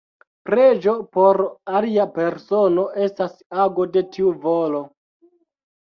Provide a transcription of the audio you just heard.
Preĝo por alia persono estas ago de tiu volo.